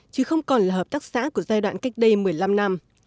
chứ không còn là hợp tác xã của giai đoạn cách đây một mươi năm năm